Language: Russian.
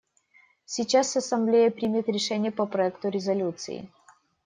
Сейчас Ассамблея примет решение по проекту резолюции.